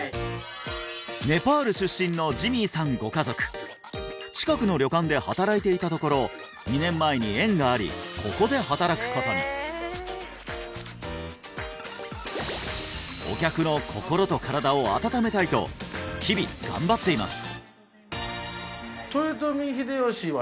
ネパール出身のジミーさんご家族近くの旅館で働いていたところ２年前に縁がありここで働くことにと日々頑張っています！